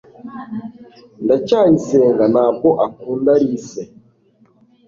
ndacyayisenga ntabwo akunda alice